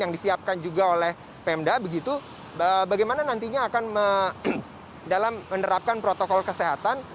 dan juga oleh pemda begitu bagaimana nantinya akan dalam menerapkan protokol kesehatan